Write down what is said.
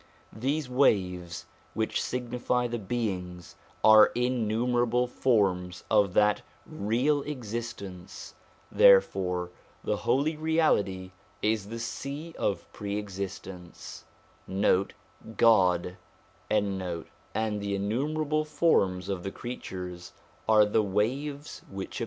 These waves, which signify the beings, are innumerable forms of that Real Exist ence; therefore the Holy Reality is the Sea of Pre existence, 2 and the innumerable forms of the creatures are the waves which appear.